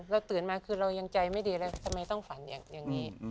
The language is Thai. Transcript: ตื่นมาคือเรายังใจไม่ดีแล้วทำไมต้องฝันอย่างนี้